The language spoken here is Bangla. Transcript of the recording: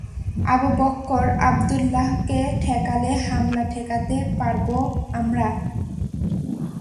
আবু বকর আবদুল্লাহকে ঠেকালে হামলা ঠেকাতে পারব আমরা।